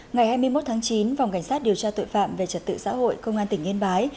ngày hai mươi một tháng chín phòng cảnh sát điều tra tội phạm về trật tự xã hội công an tỉnh yên bái